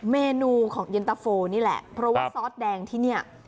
เมนูของเย็นตะโฟนี่แหละเพราะว่าซอสแดงที่เนี่ย